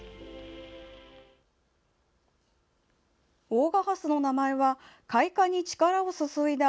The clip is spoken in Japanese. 大賀ハスの名前は開花に力を注いだ